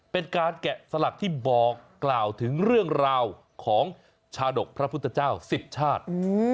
แกะสลักที่บอกกล่าวถึงเรื่องราวของชาดกพระพุทธเจ้าสิบชาติ